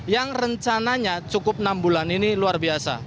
yang rencananya cukup enam bulan ini luar biasa